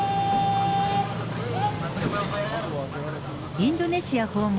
インドネシア訪問